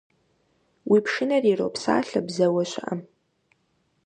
Уи пшынэр иропсалъэ бзэуэ щыӀэм.